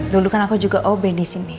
dulu kan aku juga ob disini